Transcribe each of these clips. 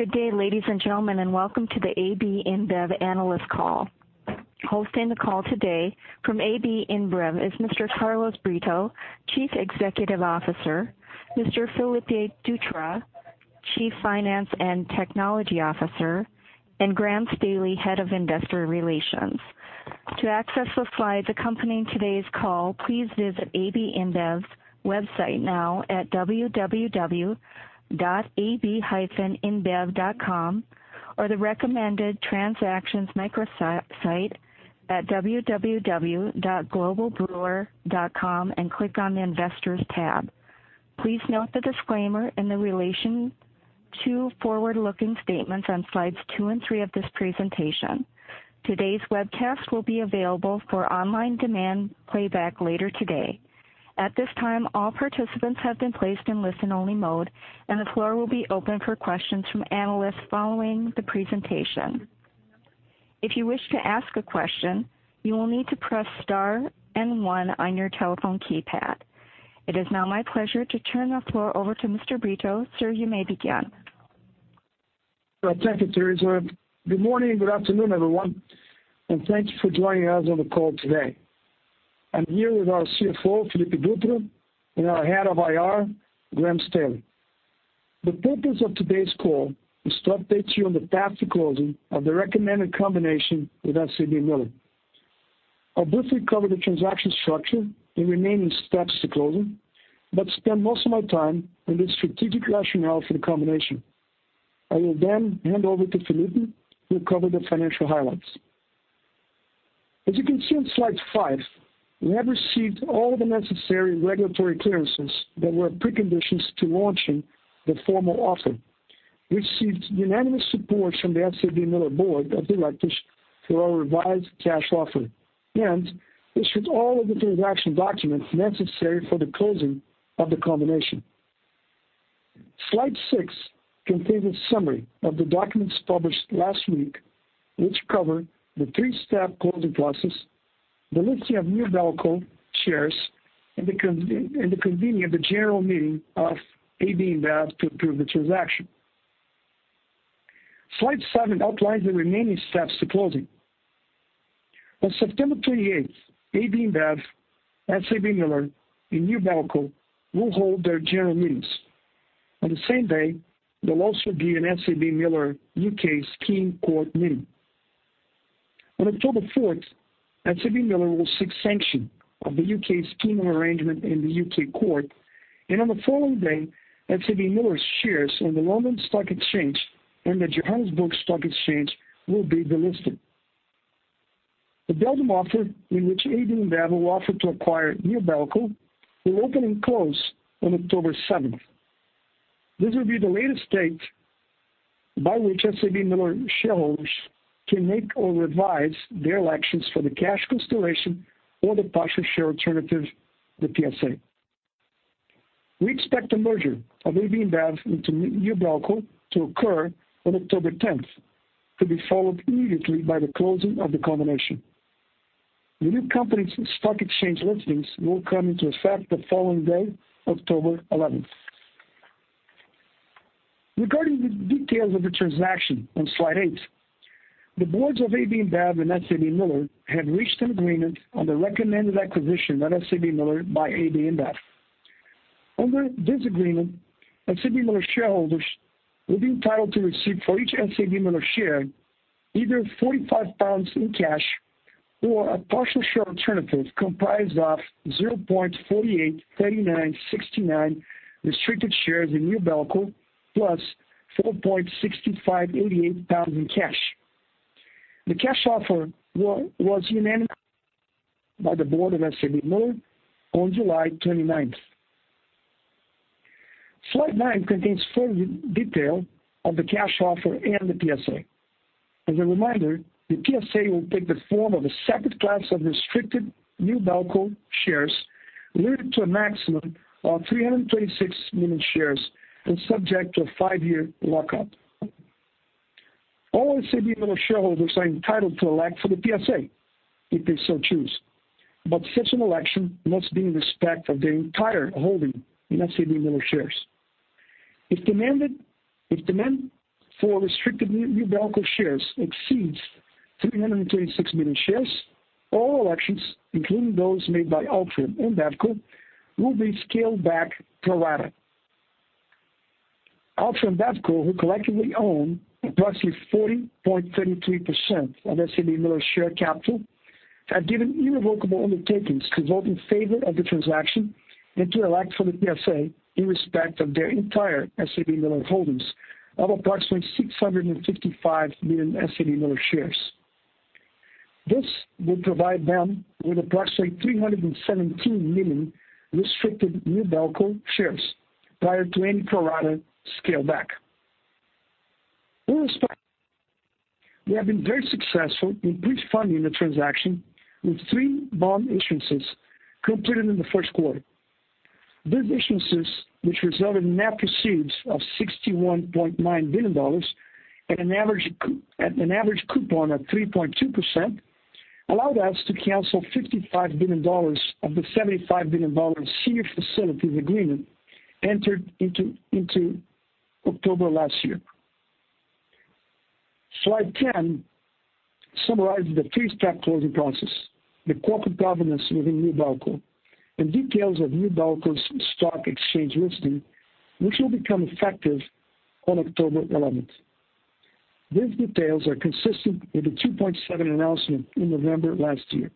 Good day, ladies and gentlemen, welcome to the AB InBev analyst call. Hosting the call today from AB InBev is Mr. Carlos Brito, Chief Executive Officer, Mr. Felipe Dutra, Chief Financial and Technology Officer, and Graham Staley, Head of Investor Relations. To access the slides accompanying today's call, please visit ab-inbev.com, or the recommended transactions microsite at globalbrewer.com and click on the investors tab. Please note the disclaimer in relation to forward-looking statements on slides two and three of this presentation. Today's webcast will be available for online demand playback later today. At this time, all participants have been placed in listen-only mode, the floor will be open for questions from analysts following the presentation. If you wish to ask a question, you will need to press star and one on your telephone keypad. It is now my pleasure to turn the floor over to Mr. Brito. Sir, you may begin. Thank you, Theresa. Good morning, good afternoon, everyone, thanks for joining us on the call today. I'm here with our CFO, Felipe Dutra, and our head of IR, Graham Staley. The purpose of today's call is to update you on the path to closing of the recommended combination with SABMiller. I'll briefly cover the transaction structure and remaining steps to closing, spend most of my time on the strategic rationale for the combination. I will hand over to Felipe, who will cover the financial highlights. As you can see on slide five, we have received all the necessary regulatory clearances that were preconditions to launching the formal offer. We received unanimous support from the SABMiller board of directors for our revised cash offer, we issued all of the transaction documents necessary for the closing of the combination. Slide six contains a summary of the documents published last week, which cover the three-step closing process, the listing of Newbelco shares, and the convening of the general meeting of AB InBev to approve the transaction. Slide seven outlines the remaining steps to closing. On September 28th, AB InBev, SABMiller, and Newbelco will hold their general meetings. On the same day, there'll also be an SABMiller U.K. scheme court meeting. On October 4th, SABMiller will seek sanction of the U.K. scheme arrangement in the U.K. court, on the following day, SABMiller's shares on the London Stock Exchange and the Johannesburg Stock Exchange will be delisted. The Belgium offer, in which AB InBev will offer to acquire Newbelco, will open and close on October 7th. This will be the latest date by which SABMiller shareholders can make or revise their elections for the cash consideration or the partial share alternative, the PSA. We expect the merger of AB InBev into Newbelco to occur on October 10th, to be followed immediately by the closing of the combination. The new company's stock exchange listings will come into effect the following day, October 11th. Regarding the details of the transaction on slide eight, the boards of AB InBev and SABMiller have reached an agreement on the recommended acquisition of SABMiller by AB InBev. Under this agreement, SABMiller shareholders will be entitled to receive for each SABMiller share, either 45 pounds in cash or a partial share alternative comprised of 0.483969 restricted shares in Newbelco plus 4.6588 pounds in cash. The cash offer was unanimous by the board of SABMiller on July 29th. Slide nine contains further detail of the cash offer and the PSA. As a reminder, the PSA will take the form of a separate class of restricted Newbelco shares, limited to a maximum of 326 million shares and subject to a five-year lockup. All SABMiller shareholders are entitled to elect for the PSA, if they so choose, but such an election must be in respect of their entire holding in SABMiller shares. If demand for restricted Newbelco shares exceeds 326 million shares, all elections, including those made by Altria and BATCo, will be scaled back pro rata. Altria and BATCo, who collectively own approximately 40.33% of SABMiller's share capital, have given irrevocable undertakings to vote in favor of the transaction and to elect for the PSA in respect of their entire SABMiller holdings of approximately 655 million SABMiller shares. This will provide them with approximately 317 million restricted v shares prior to any pro rata scale back. We have been very successful in pre-funding the transaction with three bond issuances completed in the first quarter. These issuances, which result in net proceeds of $61.9 billion at an average coupon of 3.2%, allowed us to cancel $55 billion of the $75 billion senior facilities agreement entered into October last year. Slide 10 summarizes the three-step closing process, the corporate governance within New AB InBev, and details of New AB InBev's stock exchange listing, which will become effective on October 11th. These details are consistent with the Rule 2.7 Announcement in November last year.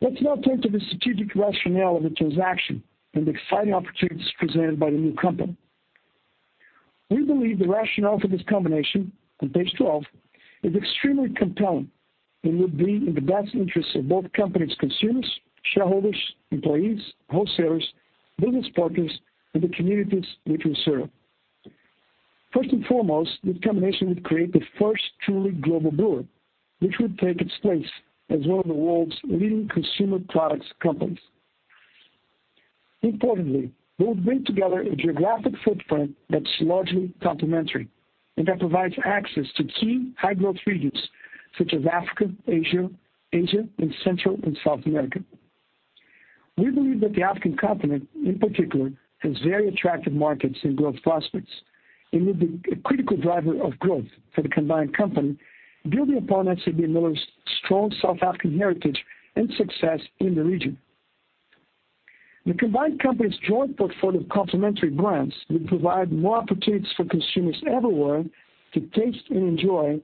Let's now turn to the strategic rationale of the transaction and the exciting opportunities presented by the new company. We believe the rationale for this combination, on page 12, is extremely compelling and would be in the best interests of both companies' consumers, shareholders, employees, wholesalers, business partners, and the communities which we serve. First and foremost, this combination would create the first truly global brewer, which would take its place as one of the world's leading consumer products companies. Importantly, we'll bring together a geographic footprint that's largely complementary and that provides access to key high-growth regions such as Africa, Asia, and Central and South America. We believe that the African continent, in particular, has very attractive markets and growth prospects and will be a critical driver of growth for the combined company, building upon SABMiller's strong South African heritage and success in the region. The combined company's joint portfolio of complementary brands would provide more opportunities for consumers everywhere to taste and enjoy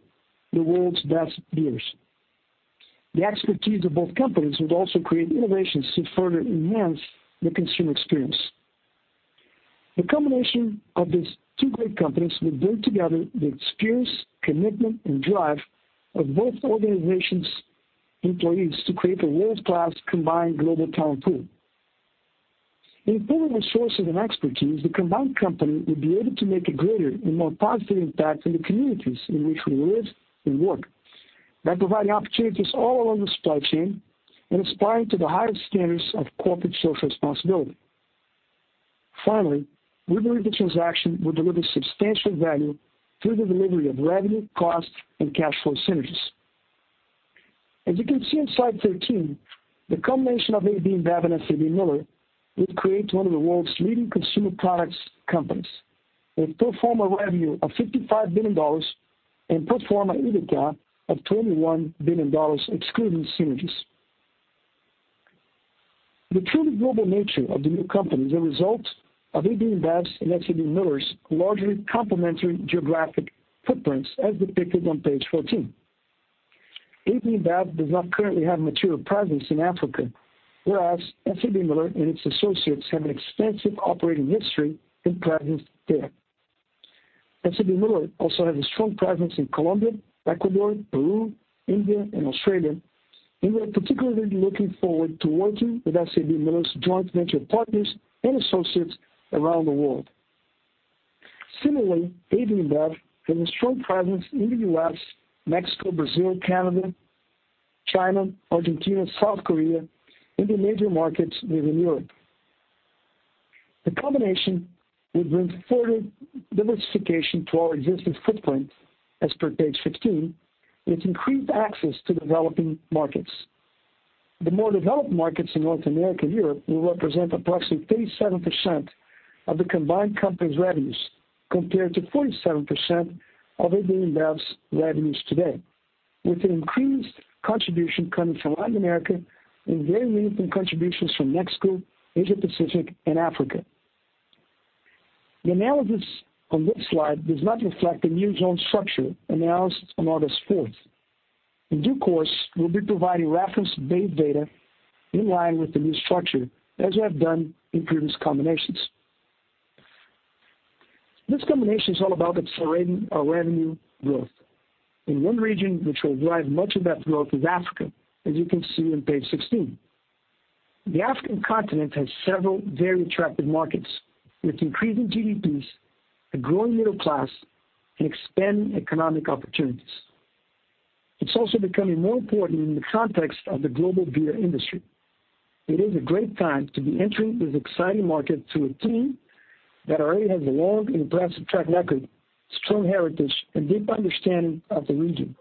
the world's best beers. The expertise of both companies would also create innovations to further enhance the consumer experience. The combination of these two great companies would bring together the experience, commitment, and drive of both organizations' employees to create a world-class combined global talent pool. In pooling resources and expertise, the combined company would be able to make a greater and more positive impact on the communities in which we live and work by providing opportunities all along the supply chain and aspiring to the highest standards of corporate social responsibility. Finally, we believe the transaction will deliver substantial value through the delivery of revenue, cost, and cash flow synergies. As you can see on slide 13, the combination of AB InBev and SABMiller would create one of the world's leading consumer products companies with pro forma revenue of $55 billion and pro forma EBITDA of $21 billion excluding synergies. The truly global nature of the new company is a result of AB InBev's and SABMiller's largely complementary geographic footprints, as depicted on page 14. AB InBev does not currently have material presence in Africa, whereas SABMiller and its associates have an extensive operating history and presence there. SABMiller also has a strong presence in Colombia, Ecuador, Peru, India, and Australia, and we are particularly looking forward to working with SABMiller's joint venture partners and associates around the world. Similarly, AB InBev has a strong presence in the U.S., Mexico, Brazil, Canada, China, Argentina, South Korea, and the major markets within Europe. The combination would bring further diversification to our existing footprint, as per page 15, with increased access to developing markets. The more developed markets in North America and Europe will represent approximately 37% of the combined company's revenues, compared to 47% of AB InBev's revenues today, with an increased contribution coming from Latin America and very meaningful contributions from Mexico, Asia Pacific, and Africa. The analysis on this slide does not reflect the new zone structure announced on August 4th. In due course, we'll be providing reference base data in line with the new structure, as we have done in previous combinations. This combination is all about accelerating our revenue growth, and one region which will drive much of that growth is Africa, as you can see on page 16. The African continent has several very attractive markets, with increasing GDPs, a growing middle class, and expanding economic opportunities. It's also becoming more important in the context of the global beer industry. It is a great time to be entering this exciting market through a team that already has a long and impressive track record, strong heritage, and deep understanding of the region.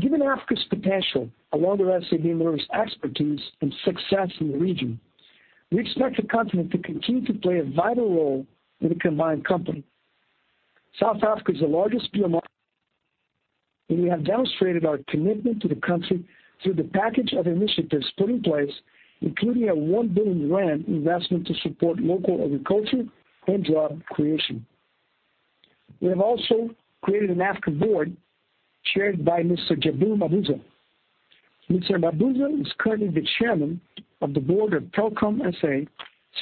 Given Africa's potential, along with SABMiller's expertise and success in the region, we expect the continent to continue to play a vital role in the combined company. South Africa is the largest beer market, and we have demonstrated our commitment to the country through the package of initiatives put in place, including a 1 billion investment to support local agriculture and job creation. We have also created an Africa board chaired by Mr. Jabu Mabuza. Mr. Mabuza is currently the chairman of the board of Telkom SA,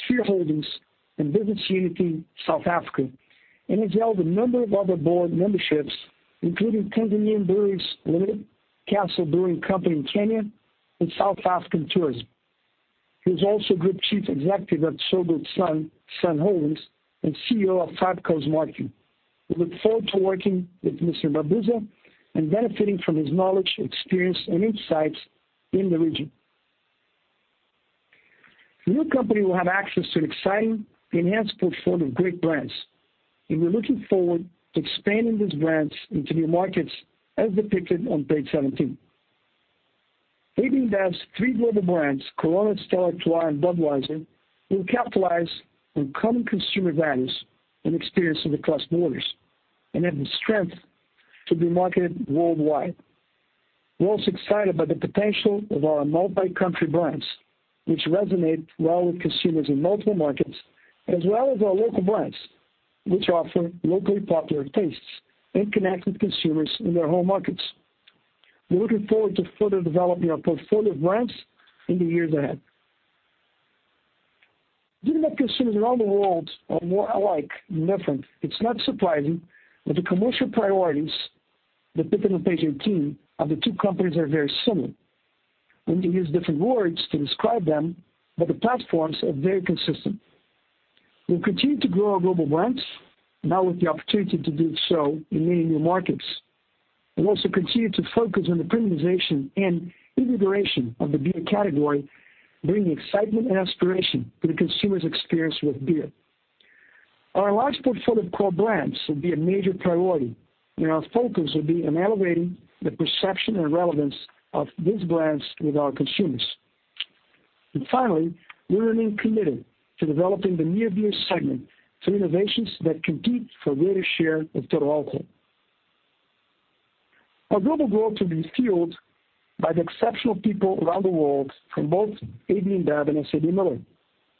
Sphere Holdings, and Business Unity South Africa, and has held a number of other board memberships, including Tanzania Breweries Limited, Castle Brewing Kenya, and South African Tourism. He is also group chief executive of Tsogo Sun Holdings and CEO of FABCOS Marketing. We look forward to working with Mr. Mabuza and benefiting from his knowledge, experience, and insights in the region. The new company will have access to an exciting enhanced portfolio of great brands, and we're looking forward to expanding these brands into new markets as depicted on page 17. AB InBev's three global brands, Corona, Stella Artois, and Budweiser, will capitalize on common consumer values and experience across borders, and have the strength to be marketed worldwide. We're also excited about the potential of our multi-country brands, which resonate well with consumers in multiple markets, as well as our local brands, which offer locally popular tastes and connect with consumers in their home markets. We're looking forward to further developing our portfolio of brands in the years ahead. Given that consumers around the world are more alike than different, it's not surprising that the commercial priorities depicted on page 18 of the two companies are very similar. We use different words to describe them, but the platforms are very consistent. We'll continue to grow our global brands, now with the opportunity to do so in many new markets. We'll also continue to focus on the premiumization and integration of the beer category, bringing excitement and aspiration to the consumer's experience with beer. Our large portfolio of core brands will be a major priority, and our focus will be on elevating the perception and relevance of these brands with our consumers. Finally, we remain committed to developing the near beer segment through innovations that compete for greater share of total alcohol. Our global growth will be fueled by the exceptional people around the world from both AB InBev and SABMiller,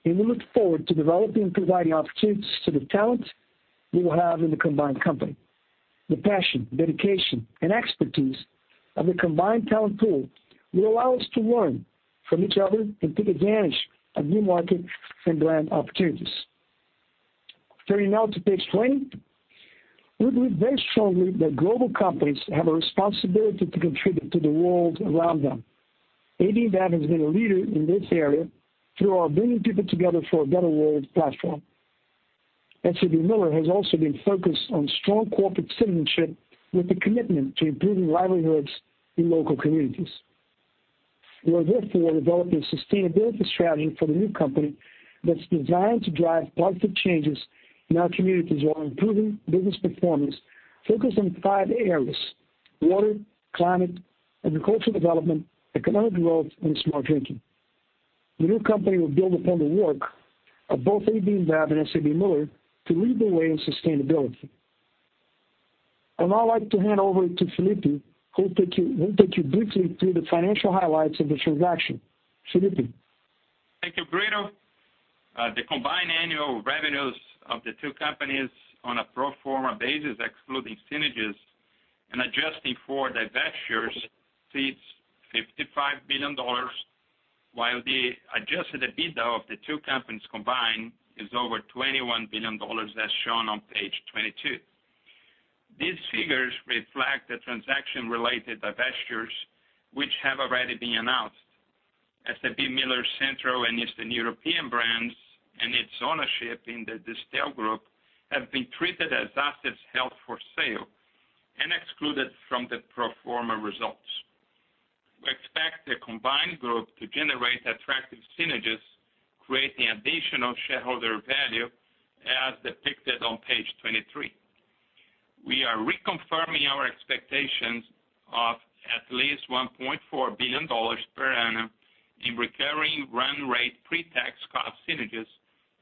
and we look forward to developing and providing opportunities to the talent we will have in the combined company. The passion, dedication, and expertise of the combined talent pool will allow us to learn from each other and take advantage of new market and brand opportunities. Turning now to page 20. We believe very strongly that global companies have a responsibility to contribute to the world around them. AB InBev has been a leader in this area through our Bringing People Together for a Better World platform. SABMiller has also been focused on strong corporate citizenship with the commitment to improving livelihoods in local communities. We are therefore developing a sustainability strategy for the new company that's designed to drive positive changes in our communities while improving business performance, focused on five areas: water, climate, agricultural development, economic growth, and smart drinking. The new company will build upon the work of both AB InBev and SABMiller to lead the way in sustainability. I'd now like to hand over to Felipe, who will take you briefly through the financial highlights of the transaction. Felipe. Thank you, Brito. The combined annual revenues of the two companies on a pro forma basis, excluding synergies and adjusting for divestitures, exceeds $55 billion, while the adjusted EBITDA of the two companies combined is over $21 billion, as shown on page 22. These figures reflect the transaction-related divestitures which have already been announced. SABMiller's Central and Eastern European brands and its ownership in the Distell Group have been treated as assets held for sale and excluded from the pro forma results. We expect the combined group to generate attractive synergies, creating additional shareholder value as depicted on page 23. We are reconfirming our expectations of at least $1.4 billion per annum in recurring run rate pre-tax cost synergies,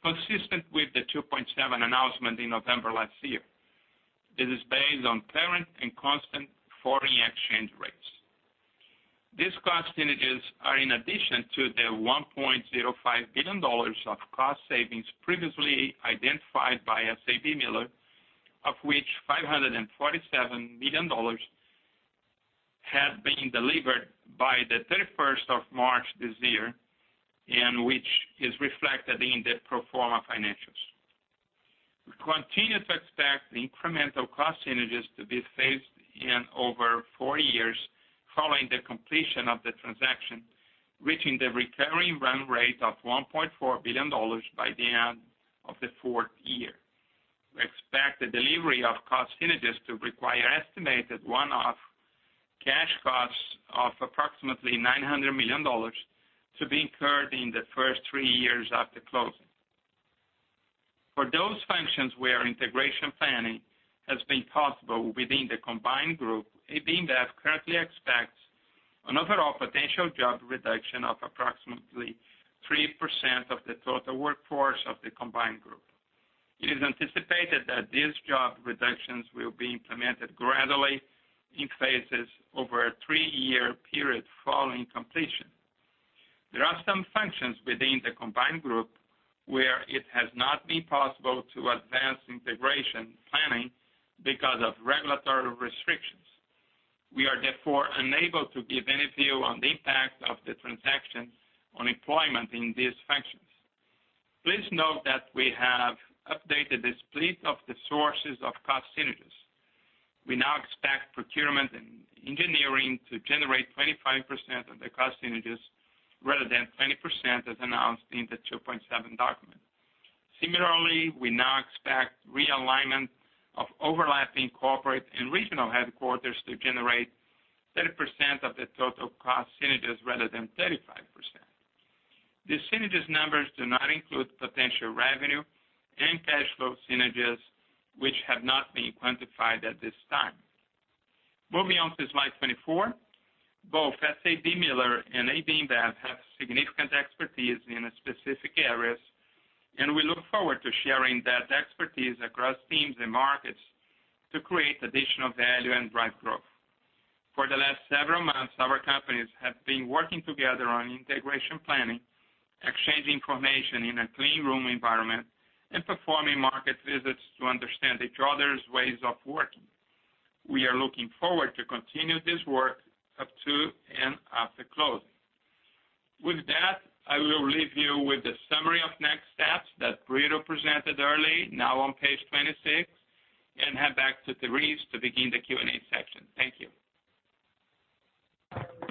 consistent with the 2.7 announcement in November last year. This is based on current and constant foreign exchange rates. These cost synergies are in addition to the $1.05 billion of cost savings previously identified by SABMiller, of which $547 million had been delivered by the 31st of March this year, and which is reflected in the pro forma financials. We continue to expect the incremental cost synergies to be phased in over four years following the completion of the transaction, reaching the recurring run rate of $1.4 billion by the end of the fourth year. We expect the delivery of cost synergies to require estimated one-off cash costs of approximately $900 million to be incurred in the first three years after closing. For those functions where integration planning has been possible within the combined group, AB InBev currently expects an overall potential job reduction of approximately 3% of the total workforce of the combined group. It is anticipated that these job reductions will be implemented gradually in phases over a three-year period following completion. There are some functions within the combined group where it has not been possible to advance integration planning because of regulatory restrictions. We are therefore unable to give any view on the impact of the transaction on employment in these functions. Please note that we have updated the split of the sources of cost synergies. We now expect procurement and engineering to generate 25% of the cost synergies rather than 20% as announced in the 2.7 document. Similarly, we now expect realignment of overlapping corporate and regional headquarters to generate 30% of the total cost synergies rather than 35%. The synergies numbers do not include potential revenue and cash flow synergies, which have not been quantified at this time. Moving on to slide 24. Both SABMiller and AB InBev have significant expertise in specific areas. We look forward to sharing that expertise across teams and markets to create additional value and drive growth. For the last several months, our companies have been working together on integration planning, exchanging information in a clean room environment, and performing market visits to understand each other's ways of working. We are looking forward to continue this work up to and after closing. With that, I will leave you with the summary of next steps that Brito presented early now on page 26, and head back to Therese to begin the Q&A section. Thank you.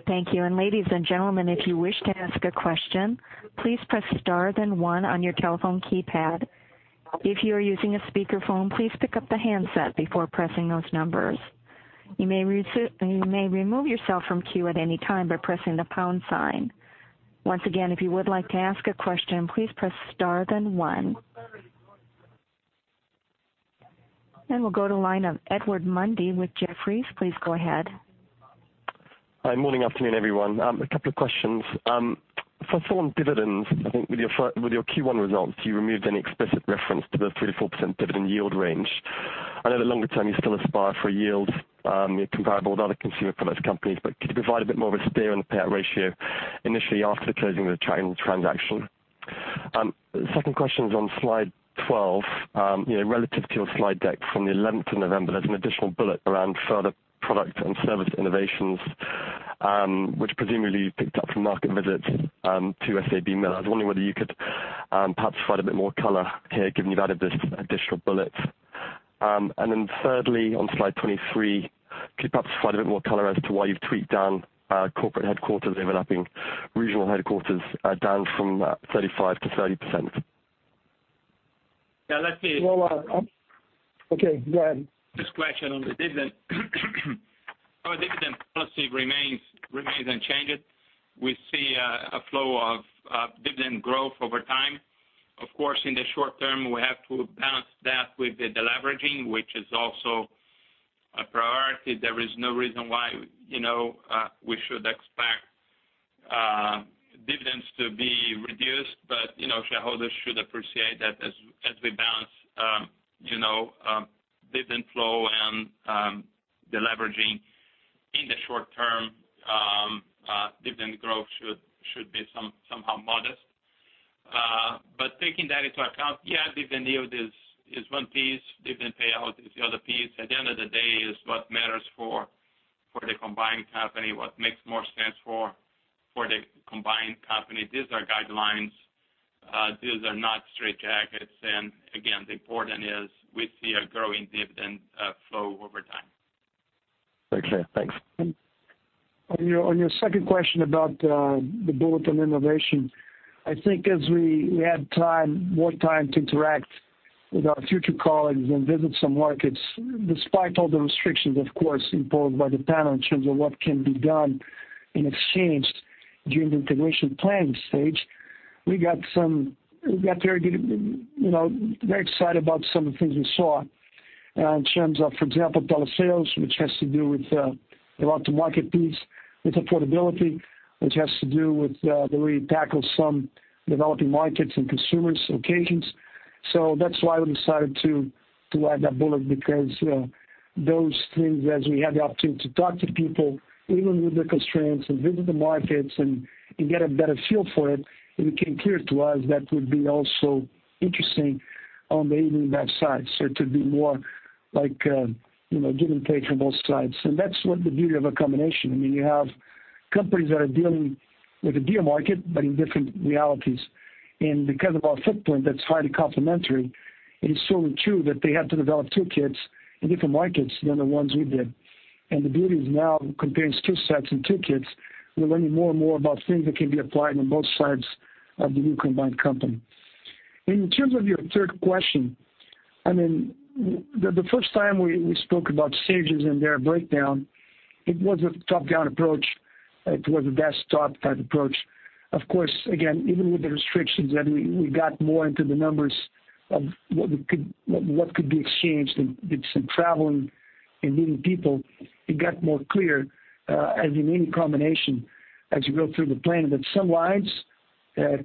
Thank you. Ladies and gentlemen, if you wish to ask a question, please press star then one on your telephone keypad. If you are using a speakerphone, please pick up the handset before pressing those numbers. You may remove yourself from queue at any time by pressing the pound sign. Once again, if you would like to ask a question, please press star then one. We'll go to line of Edward Mundy with Jefferies. Please go ahead. Hi, morning, afternoon everyone. A couple of questions. For foreign dividends, I think with your Q1 results, you removed any explicit reference to the 3%-4% dividend yield range. I know that longer term you still aspire for yields comparable with other consumer products companies, but could you provide a bit more of a steer on the payout ratio initially after the closing of the transaction? Second question is on slide 12. Relative to your slide deck from the 11th of November, there's an additional bullet around further product and service innovations, which presumably you picked up from market visits to SABMiller. I was wondering whether you could perhaps provide a bit more color here, given you've added this additional bullet. Thirdly, on slide 23, could you perhaps provide a bit more color as to why you've tweaked down corporate headquarters overlapping regional headquarters are down from 35%-30%? Yeah, let's see. Okay, go ahead. This question on the dividend. Our dividend policy remains unchanged. We see a flow of dividend growth over time. Of course, in the short term, we have to balance that with the deleveraging, which is also a priority. There is no reason why we should expect dividends to be reduced, but shareholders should appreciate that as we balance dividend flow and deleveraging in the short term, dividend growth should be somehow modest. Taking that into account, yeah, dividend yield is one piece. Dividend payout is the other piece. At the end of the day, it's what matters for the combined company, what makes more sense for the combined company. These are guidelines. These are not straitjackets. Again, the important is we see a growing dividend flow over time. Very clear. Thanks. On your second question about the bullet innovation, I think as we add more time to interact with our future colleagues and visit some markets, despite all the restrictions, of course, imposed by the panel in terms of what can be done and exchanged during the integration planning stage, we got very excited about some of the things we saw in terms of, for example, dollar sales, which has to do with the go-out-to-market piece with affordability, which has to do with the way you tackle some developing markets and consumers locations. That's why we decided to add that bullet because those things, as we had the opportunity to talk to people, even with the constraints and visit the markets and get a better feel for it became clear to us that would be also interesting on the AB InBev side. It would be more like give and take from both sides. That's what the beauty of a combination. You have companies that are dealing with a beer market, but in different realities. Because of our footprint that's highly complementary, it is so true that they had to develop toolkits in different markets than the ones we did. The beauty is now comparing tool sets and toolkits, we're learning more and more about things that can be applied on both sides of the new combined company. In terms of your third question, the first time we spoke about synergies and their breakdown, it was a top-down approach. It was a desktop type approach. Of course, again, even with the restrictions, as we got more into the numbers of what could be exchanged and did some traveling and meeting people, it got more clear, as in any combination as you go through the planning, that some lines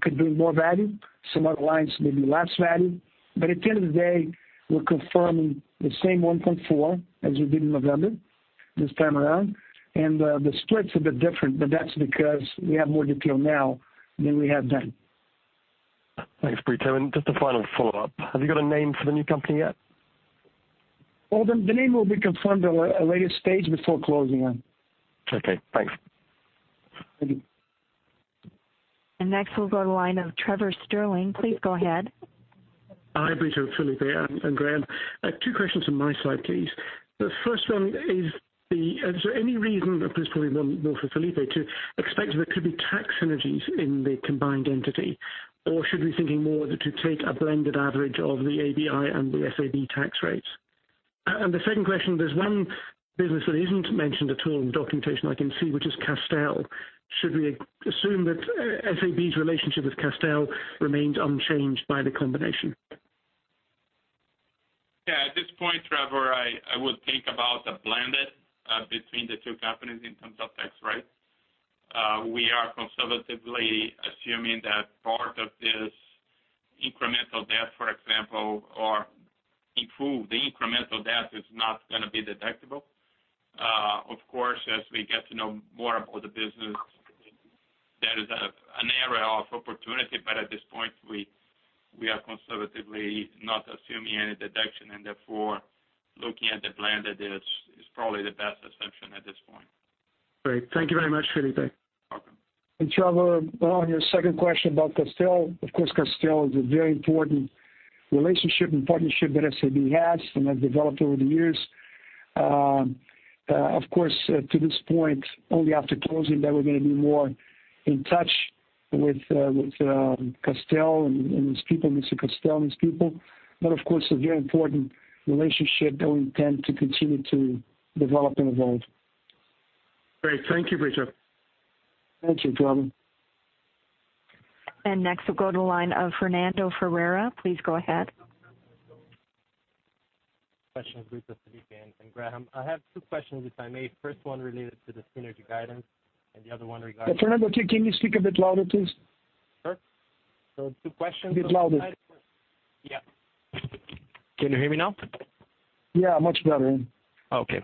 could bring more value, some other lines maybe less value. At the end of the day, we're confirming the same $1.4 as we did in November this time around, and the splits are a bit different, but that's because we have more detail now than we had then. Thanks, Brito. Just a final follow-up. Have you got a name for the new company yet? The name will be confirmed at a later stage before closing. Okay, thanks. Thank you. Next we'll go to line of Trevor Stirling. Please go ahead. Hi, Brito, Felipe, and Graham. Two questions on my side, please. The first one is there any reason, this is probably more for Felipe, to expect there could be tax synergies in the combined entity? Or should we be thinking more to take a blended average of the ABI and the SAB tax rates? The second question, there's one business that isn't mentioned at all in the documentation I can see, which is Castel. Should we assume that SAB's relationship with Castel remains unchanged by the combination? Yeah, at this point, Trevor, I would think about a blended between the two companies in terms of tax rate. We are conservatively assuming that part of this incremental debt, for example, or improved incremental debt is not going to be deductible. Of course, as we get to know more about the business, that is an area of opportunity, but at this point, we are conservatively not assuming any deduction and therefore looking at the blended is probably the best assumption at this point. Great. Thank you very much, Felipe. Welcome. Trevor, on your second question about Castel, of course, Castel is a very important relationship and partnership that SAB has and have developed over the years. Of course, to this point, only after closing that we're going to be more in touch with Castel and his people, Mr. Castel and his people. Of course, a very important relationship that we intend to continue to develop and evolve. Great. Thank you, Brito. Thank you, Trevor. Next we'll go to the line of Fernando Ferreira. Please go ahead. Question for Brito, Felipe, and Graham. I have two questions, if I may. First one related to the synergy guidance and the other one regarding- Fernando, can you speak a bit louder, please? Sure. Two questions. Bit louder. Yeah. Can you hear me now? Yeah, much better. Okay.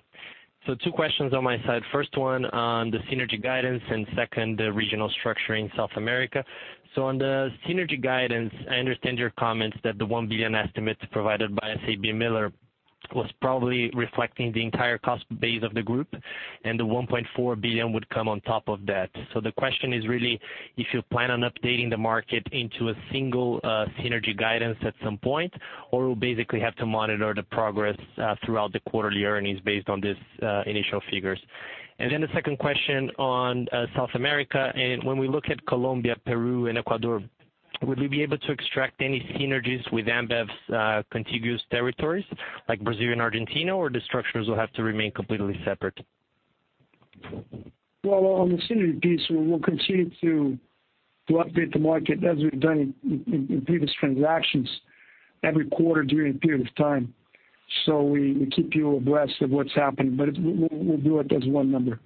Two questions on my side. First one on the synergy guidance, second, the regional structure in South America. On the synergy guidance, I understand your comments that the $1 billion estimate provided by SABMiller was probably reflecting the entire cost base of the group and the $1.4 billion would come on top of that. The question is really if you plan on updating the market into a single synergy guidance at some point, or we'll basically have to monitor the progress throughout the quarterly earnings based on these initial figures. The second question on South America, when we look at Colombia, Peru and Ecuador, would we be able to extract any synergies with Ambev's contiguous territories like Brazil and Argentina, the structures will have to remain completely separate? Well, on the synergy piece, we will continue to update the market as we've done in previous transactions every quarter during a period of time. We keep you abreast of what's happening. We'll do it as one number.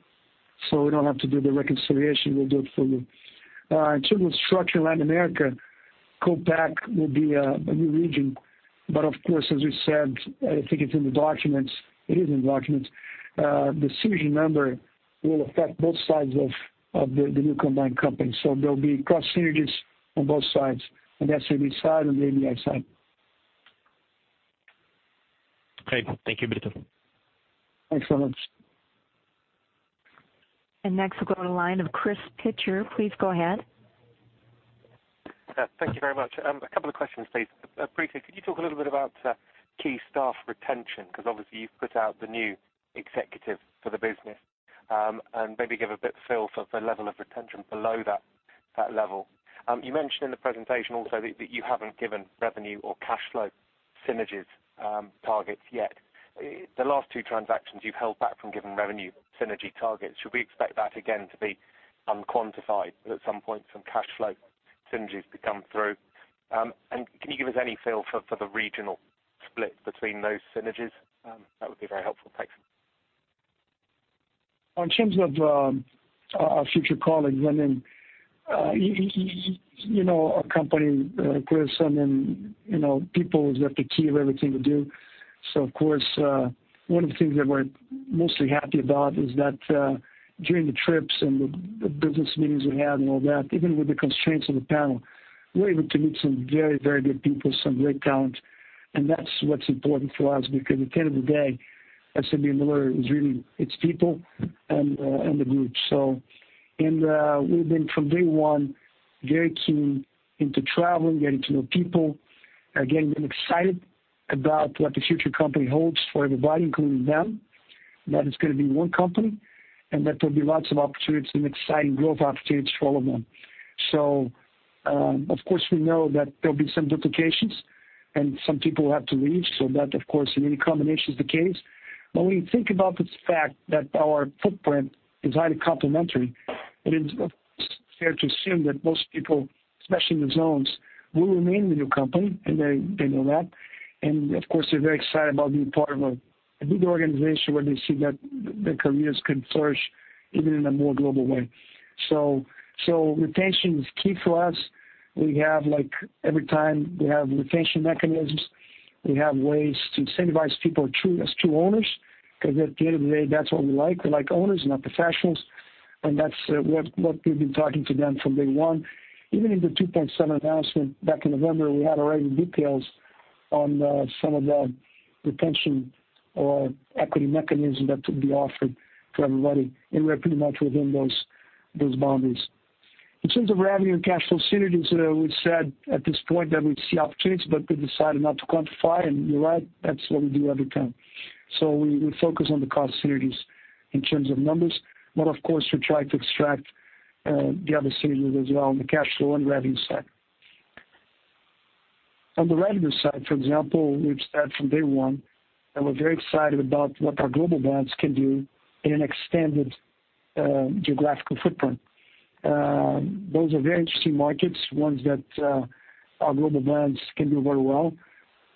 We don't have to do the reconciliation. We'll do it for you. In terms of structuring Latin America, COPEC will be a new region. Of course, as we said, I think it's in the documents. It is in the documents. The synergy number will affect both sides of the new combined company. There'll be cross synergies on both sides, on the SAB side and the ABI side. Great. Thank you, Brito. Excellent. Next we'll go to the line of Chris Pitcher. Please go ahead. Thank you very much. A couple of questions, please. Brito, could you talk a little bit about key staff retention? Because obviously you've put out the new executive for the business, and maybe give a bit feel for the level of retention below that level. You mentioned in the presentation also that you haven't given revenue or cash flow synergies targets yet. The last two transactions you've held back from giving revenue synergy targets. Should we expect that again to be unquantified, but at some point some cash flow synergies to come through? Can you give us any feel for the regional split between those synergies? That would be very helpful. Thanks. In terms of our future colleagues, then our company, Chris, people is at the key of everything we do. Of course, one of the things that we're mostly happy about is that during the trips and the business meetings we had and all that, even with the constraints of the panel, we were able to meet some very, very good people, some great talent. That's what's important for us because at the end of the day, SABMiller is really its people and the group. We've been from day one, very keen into traveling, getting to know people, getting them excited about what the future company holds for everybody, including them. That it's going to be one company and that there'll be lots of opportunities and exciting growth opportunities for all of them. Of course we know that there'll be some duplications and some people will have to leave. That of course in any combination is the case. When you think about the fact that our footprint is highly complementary, it is of course fair to assume that most people, especially in the zones, will remain in the new company, and they know that. Of course, they're very excited about being part of a bigger organization where they see that their careers can flourish even in a more global way. Retention is key for us. We have like every time we have retention mechanisms, we have ways to incentivize people as true owners, because at the end of the day, that's what we like. We like owners, not professionals. That's what we've been talking to them from day one. Even in the 2.7 announcement back in November, we had already details on some of the retention or equity mechanism that would be offered to everybody, we are pretty much within those boundaries. In terms of revenue and cash flow synergies, we've said at this point that we'd see opportunities, we decided not to quantify, and you're right, that's what we do every time. We focus on the cost synergies in terms of numbers. Of course, we try to extract the other synergies as well on the cash flow and revenue side. On the revenue side, for example, we've said from day one that we're very excited about what our global brands can do in an extended geographical footprint. Those are very interesting markets, ones that our global brands can do very well.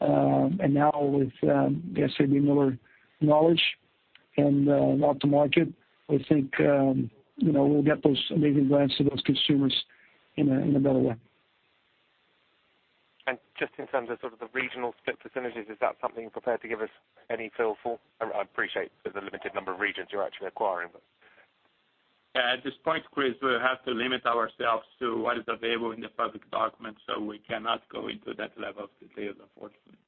Now with the SABMiller knowledge and go to market, we think we'll get those amazing brands to those consumers in a better way. Just in terms of sort of the regional synergies, is that something you're prepared to give us any feel for? I appreciate there's a limited number of regions you're actually acquiring. At this point, Chris, we'll have to limit ourselves to what is available in the public documents, we cannot go into that level of detail, unfortunately.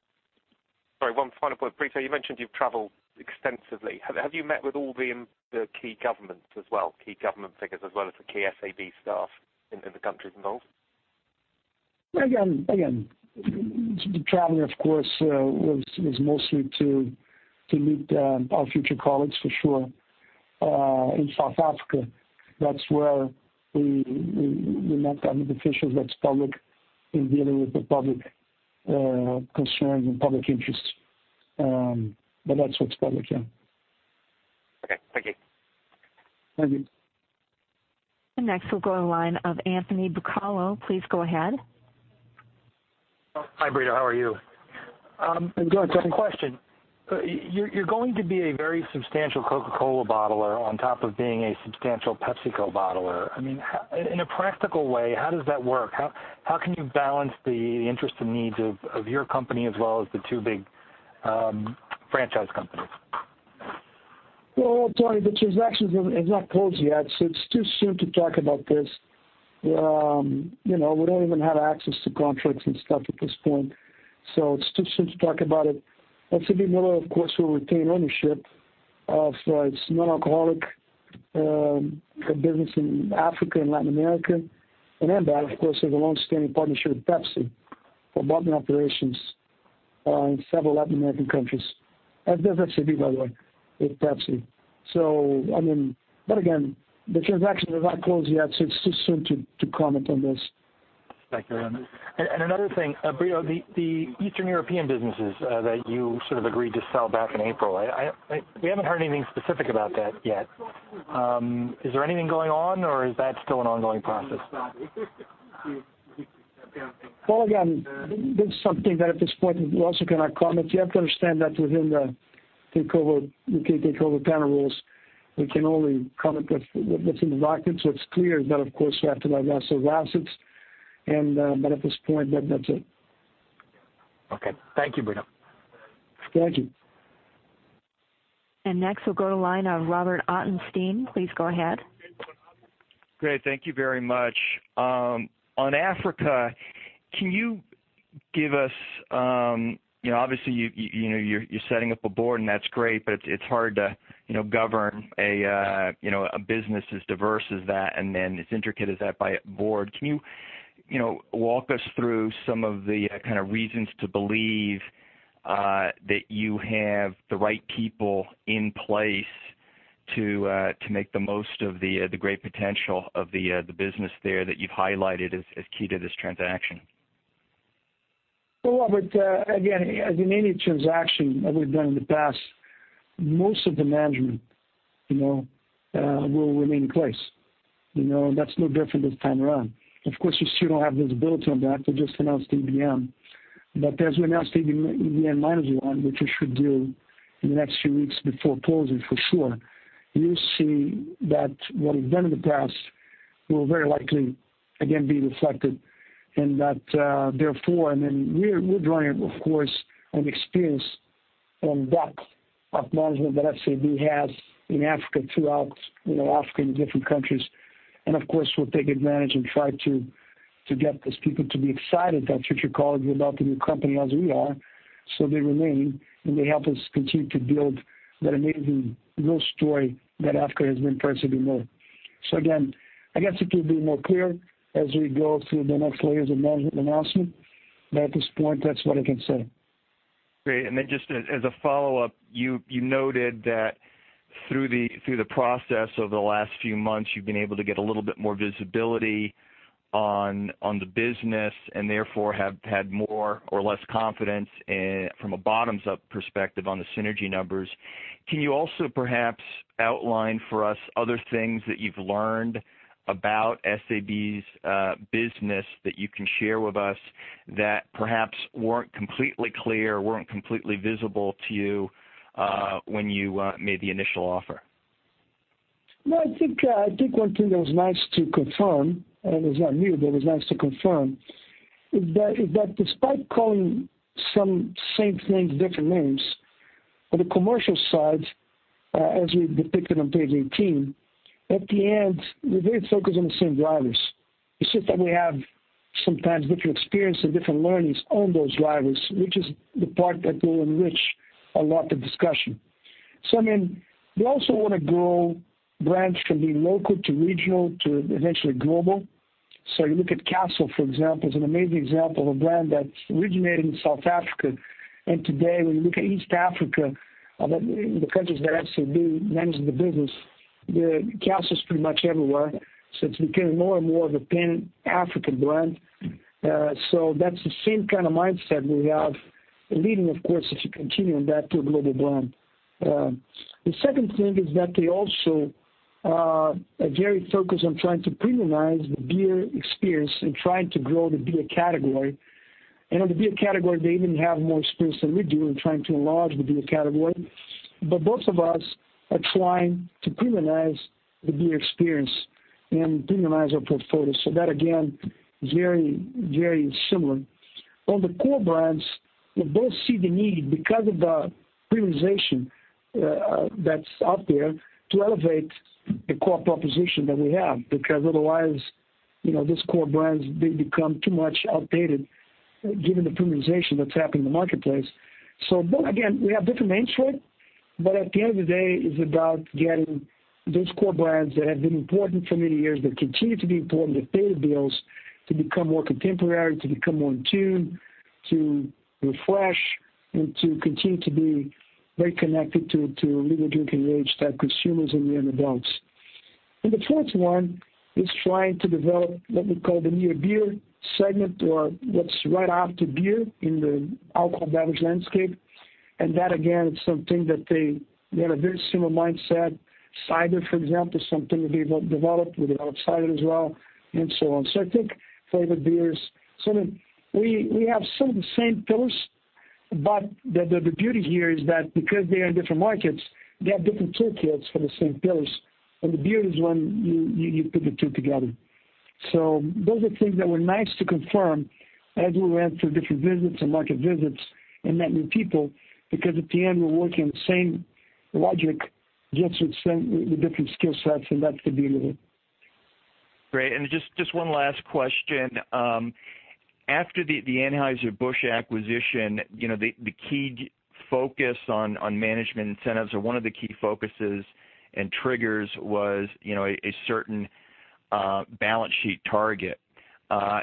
Sorry, one final point. Brito, you mentioned you've traveled extensively. Have you met with all the key government figures as well as the key SAB staff in the countries involved? The traveling, of course, was mostly to meet our future colleagues, for sure, in South Africa. That's where we met government officials. That's public in dealing with the public concerns and public interests. That's what's public, yeah. Okay. Thank you. Thank you. Next, we'll go to line of Anthony Bucalo. Please go ahead. Hi, Brito. How are you? I'm good. One question. You're going to be a very substantial Coca-Cola bottler on top of being a substantial PepsiCo bottler. In a practical way, how does that work? How can you balance the interest and needs of your company as well as the two big franchise companies? Well, Tony, the transaction is not closed yet, so it's too soon to talk about this. We don't even have access to contracts and stuff at this point, so it's too soon to talk about it. SABMiller, of course, will retain ownership of its non-alcoholic business in Africa and Latin America. AmBev, of course, has a longstanding partnership with Pepsi for bottling operations in several Latin American countries. As does SAB, by the way, with Pepsi. Again, the transaction has not closed yet, so it's too soon to comment on this. Thank you. Another thing, Brito, the Eastern European businesses that you sort of agreed to sell back in April, we haven't heard anything specific about that yet. Is there anything going on or is that still an ongoing process? Well, again, this is something that at this point we also cannot comment. You have to understand that within the U.K. takeover panel rules, we can only comment with what's in the market. It's clear that, of course, we have to divest those assets, but at this point, that's it. Okay. Thank you, Brito. Thank you. Next, we'll go to line of Robert Ottenstein. Please go ahead. Great. Thank you very much. On Africa, obviously, you're setting up a board and that's great, it's hard to govern a business as diverse as that and then as intricate as that by a board. Can you walk us through some of the kind of reasons to believe that you have the right people in place to make the most of the great potential of the business there that you've highlighted as key to this transaction? Well, Robert, again, as in any transaction that we've done in the past, most of the management will remain in place. That's no different this time around. Of course, we still don't have visibility on that. We just announced EBM. As we announce the EBM management one, which we should do in the next few weeks before closing, for sure, you'll see that what we've done in the past will very likely again be reflected in that. Therefore, we're drawing, of course, on experience and depth of management that SAB has in Africa, throughout Africa, in different countries. Of course, we'll take advantage and try to get these people to be excited, our future colleagues, about the new company as we are. They remain, and they help us continue to build that amazing growth story that Africa has been for SABMiller. Again, I guess it will be more clear as we go through the next layers of management announcement, at this point, that's what I can say. Great. Just as a follow-up, you noted that through the process over the last few months, you've been able to get a little bit more visibility on the business and therefore have had more or less confidence from a bottoms-up perspective on the synergy numbers. Can you also perhaps outline for us other things that you've learned about SAB's business that you can share with us that perhaps weren't completely clear, weren't completely visible to you when you made the initial offer? Well, I think one thing that was nice to confirm, and it was not new, but it was nice to confirm, is that despite calling some same things different names, on the commercial side, as we depicted on page 18, at the end, we're very focused on the same drivers. It's just that we have sometimes different experience and different learnings on those drivers, which is the part that will enrich a lot of discussion. We also want to grow brands from being local to regional to eventually global. You look at Castle, for example, as an amazing example of a brand that originated in South Africa. Today, when you look at East Africa, the countries that SAB manages the business, The Castle's pretty much everywhere, so it's become more and more of a pan-African brand. That's the same kind of mindset we have leading, of course, if you continue on that to a global brand. The second thing is that they also are very focused on trying to premiumize the beer experience and trying to grow the beer category. On the beer category, they even have more experience than we do in trying to enlarge the beer category. Both of us are trying to premiumize the beer experience and premiumize our portfolios. That, again, very similar. On the core brands, we both see the need, because of the premiumization that's out there, to elevate the core proposition that we have, because otherwise, these core brands, they become too much outdated given the premiumization that's happened in the marketplace. Both, again, we have different entry, at the end of the day, it's about getting those core brands that have been important for many years, that continue to be important, that pay the bills, to become more contemporary, to become more in tune, to refresh, and to continue to be very connected to legal drinking age type consumers and young adults. The fourth one is trying to develop what we call the near beer segment or what's right after beer in the alcohol beverage landscape. That, again, is something that they had a very similar mindset. Cider, for example, is something we've developed. We have cider as well, and so on. I think flavored beers. We have some of the same pillars, but the beauty here is that because they are in different markets, they have different toolkits for the same pillars. The beauty is when you put the two together. Those are things that were nice to confirm as we went through different visits and market visits and met new people because at the end, we're working the same logic, just with different skill sets, and that's the beauty of it. Great. Just one last question. After the Anheuser-Busch acquisition, the key focus on management incentives or one of the key focuses and triggers was a certain balance sheet target. The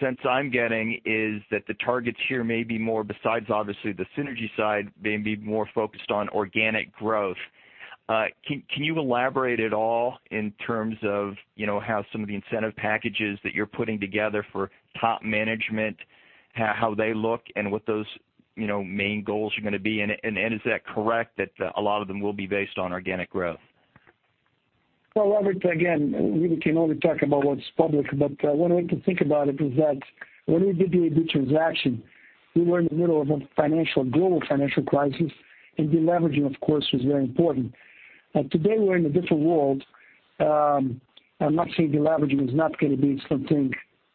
sense I'm getting is that the targets here may be more, besides obviously the synergy side, may be more focused on organic growth. Can you elaborate at all in terms of how some of the incentive packages that you're putting together for top management, how they look and what those main goals are going to be? Is that correct, that a lot of them will be based on organic growth? Well, Robert, again, we can only talk about what's public. One way to think about it is that when we did the AB transaction, we were in the middle of a global financial crisis, and deleveraging, of course, was very important. Today, we're in a different world. I'm not saying deleveraging is not going to be something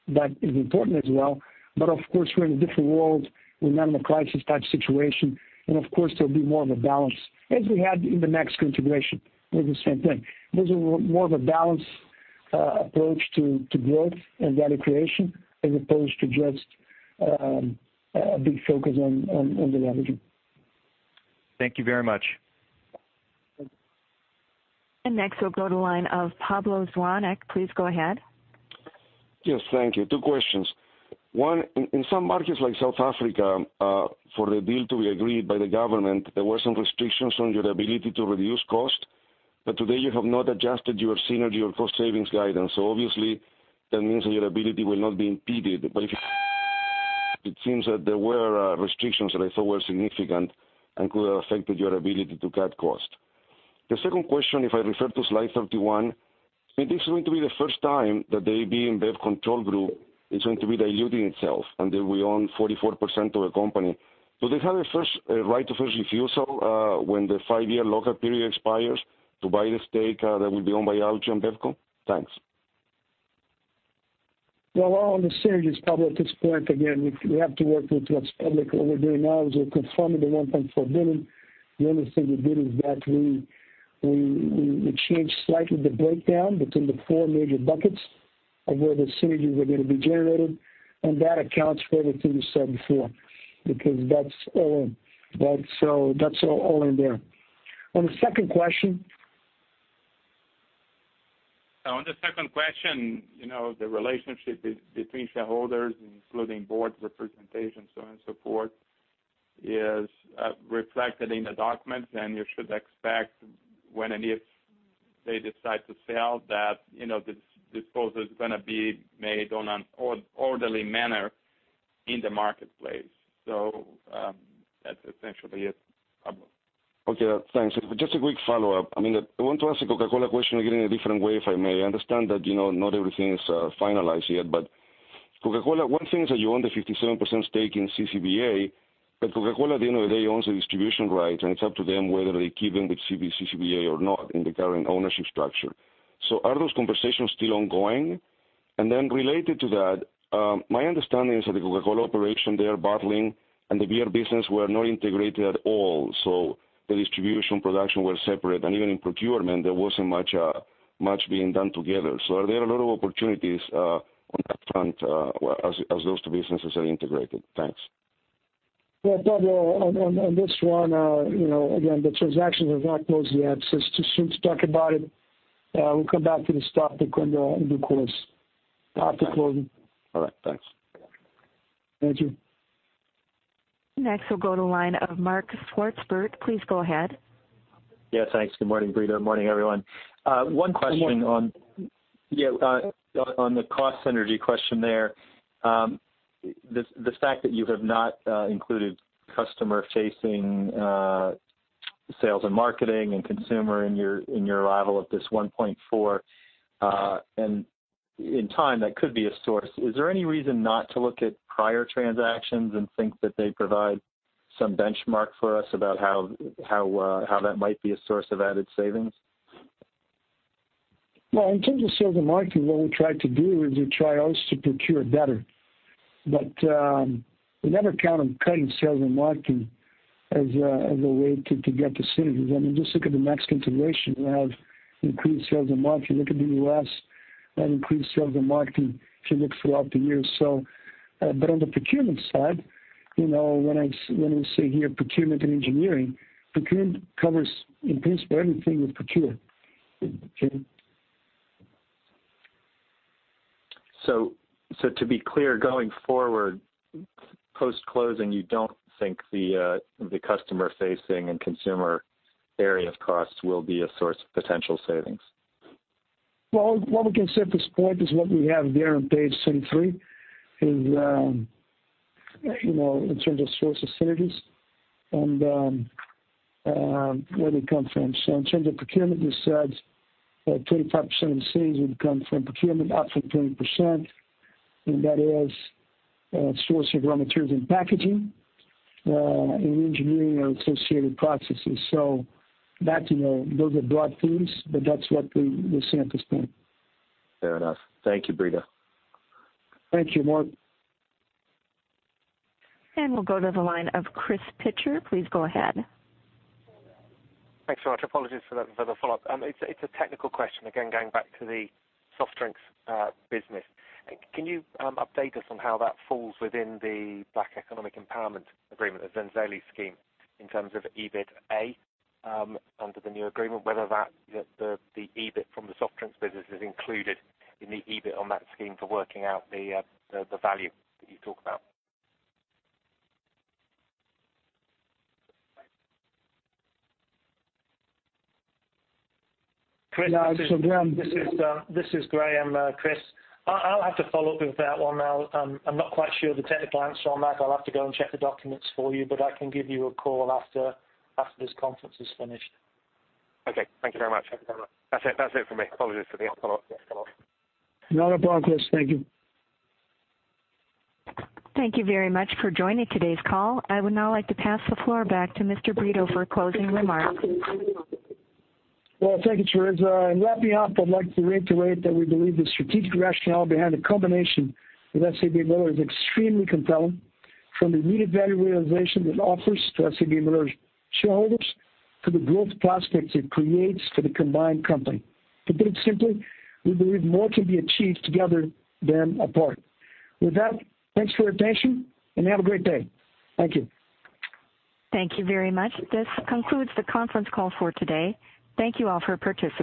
that is important as well. Of course, we're in a different world. We're not in a crisis type situation. Of course, there'll be more of a balance, as we had in the Modelo contribution. It was the same thing. There's more of a balanced approach to growth and value creation, as opposed to just a big focus on deleveraging. Thank you very much. Next, we'll go to line of Pablo Zuanic. Please go ahead. Yes. Thank you. Two questions. One, in some markets like South Africa, for the deal to be agreed by the government, there were some restrictions on your ability to reduce cost. Today, you have not adjusted your synergy or cost savings guidance. Obviously, that means that your ability will not be impeded. It seems that there were restrictions that I thought were significant and could have affected your ability to cut cost. The second question, if I refer to slide 31, is this going to be the first time that the AB InBev control group is going to be diluting itself, and they will own 44% of the company. Do they have a right of first refusal when the five-year local period expires to buy the stake that will be owned by AB InBev Co? Thanks. Well, on the synergies, Pablo Zuanic, at this point, again, we have to work with what's public. What we're doing now is we're confirming the $1.4 billion. The only thing we did is that we changed slightly the breakdown between the four major buckets of where the synergies were going to be generated, and that accounts for everything you said before, because that's all in there. On the second question? On the second question, the relationship between shareholders, including board representation, so on and so forth, is reflected in the documents, and you should expect when and if they decide to sell that disclosure is going to be made on an orderly manner in the marketplace. That's essentially it, Pablo Zuanic. Okay. Thanks. Just a quick follow-up. I want to ask a Coca-Cola question, again, in a different way, if I may. I understand that not everything is finalized yet. Coca-Cola, one thing is that you own the 57% stake in CCBA, but Coca-Cola, at the end of the day, owns the distribution right, and it's up to them whether they keep them with CCBA or not in the current ownership structure. Are those conversations still ongoing? Related to that, my understanding is that the Coca-Cola operation, they are bottling and the beer business were not integrated at all. The distribution, production were separate. Even in procurement, there wasn't much being done together. Are there a lot of opportunities on that front as those two businesses are integrated? Thanks. Well, Pablo, on this one, again, the transaction has not closed yet. It's too soon to talk about it. We'll come back to this topic in due course after closing. All right. Thanks. Thank you. Next, we'll go to the line of Mark Swartzberg. Please go ahead. Yeah, thanks. Good morning, Brito. Morning, everyone. One question. Good morning. Yeah, on the cost synergy question there. The fact that you have not included customer-facing sales and marketing and consumer in your arrival of this $1.4, and in time, that could be a source. Is there any reason not to look at prior transactions and think that they provide some benchmark for us about how that might be a source of added savings? Well, in terms of sales and marketing, what we try to do is we try always to procure better, we never count on cutting sales and marketing as a way to get the synergies. I mean, just look at the Mexican situation. We have increased sales and marketing. Look at the U.S., we have increased sales and marketing if you look throughout the years. On the procurement side, when we say here procurement and engineering, procurement covers, in principle, everything we procure. To be clear, going forward, post-closing, you don't think the customer-facing and consumer area of costs will be a source of potential savings. Well, what we can say at this point is what we have there on page 73 is, in terms of source of synergies and where they come from. In terms of procurement, we said that 25% of the savings would come from procurement, up from 20%, and that is a source of raw materials and packaging, and engineering and associated processes. Those are broad themes, that's what we say at this point. Fair enough. Thank you, Brito. Thank you, Mark. We'll go to the line of Chris Pitcher. Please go ahead. Thanks so much. Apologies for the follow-up. It's a technical question, again, going back to the soft drinks business. Can you update us on how that falls within the Black Economic Empowerment agreement, the Zenzele scheme, in terms of EBITDA under the new agreement, whether the EBIT from the soft drinks business is included in the EBIT on that scheme for working out the value that you talk about? Chris- This is Graham, Chris. I'll have to follow up with that one. I'm not quite sure of the technical answer on that. I'll have to go and check the documents for you, but I can give you a call after this conference is finished. Okay. Thank you very much. That's it from me. Apologies for the follow-up. No problem, Chris. Thank you. Thank you very much for joining today's call. I would now like to pass the floor back to Mr. Brito for closing remarks. Well, thank you, Theresa. In wrapping up, I'd like to reiterate that we believe the strategic rationale behind the combination with SABMiller is extremely compelling, from the immediate value realization it offers to SABMiller's shareholders, to the growth prospects it creates for the combined company. To put it simply, we believe more can be achieved together than apart. With that, thanks for your attention, and have a great day. Thank you. Thank you very much. This concludes the conference call for today. Thank you all for participating.